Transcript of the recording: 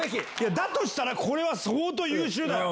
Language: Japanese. だとしたら、これは相当優秀だよ。